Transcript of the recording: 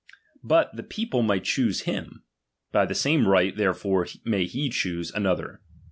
But the people might choose him; by the same right therefore may he choose another.